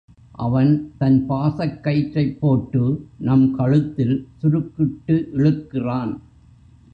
அவன் தன் பாசக் கயிற்றைப் போட்டு, நம் கழுத்தில் சுருக்கிட்டு இழுக்கிறான்.